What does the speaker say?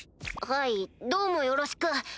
はいどうもよろしく。